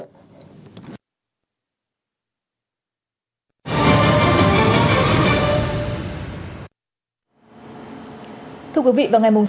thưa quý vị vào ngày sáu tháng bảy vừa qua tại hội nghị thượng đình giữa đảng cộng sản trung quốc và các chính đảng trên thế giới